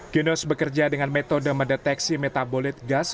genos bekerja dengan metode mendeteksi metabolit gas